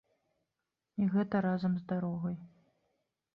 І гэта разам з дарогай!